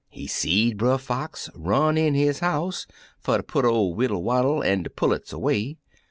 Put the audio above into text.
He seed Brer Fox run in his house, fer ter put ol' Widdle Waddle an' de pullets 'way.